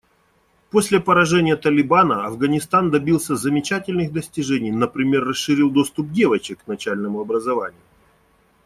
После поражения «Талибана» Афганистан добился замечательных достижений, например расширил доступ девочек к начальному образованию.